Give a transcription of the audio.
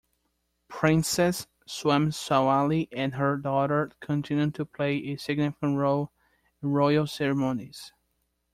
Princess Soamsawali and her daughter continue to play a significant role in royal ceremonies.